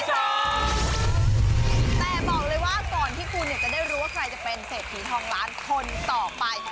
แต่บอกเลยว่าก่อนที่คุณจะได้รู้ว่าใครจะเป็นเศรษฐีทองล้านคนต่อไป